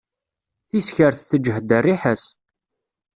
Tiskert teǧhed rriḥa-s.